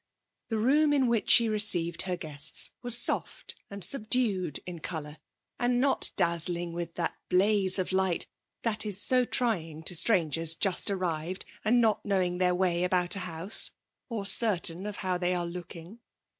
The room in which she received her guests was soft and subdued in colour and not dazzling with that blaze of light that is so trying to strangers just arrived and not knowing their way about a house (or certain of how they are looking).